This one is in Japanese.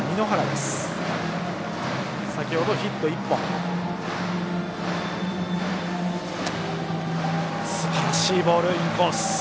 すばらしいボール、インコース。